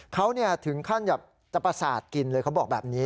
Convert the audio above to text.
เขาถึงขั้นแบบจะประสาทกินเลยเขาบอกแบบนี้